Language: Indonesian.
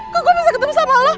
kok gue bisa ketemu sama lo